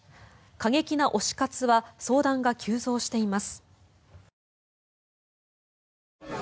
過激な推し活は相談が急増しています。